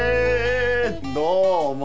どうも！